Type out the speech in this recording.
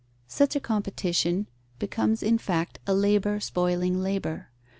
Such a competition becomes in fact a labour spoiling labour.